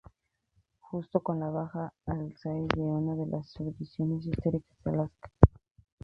Junto con la Baja Alsacia es una de las subdivisiones históricas de Alsacia.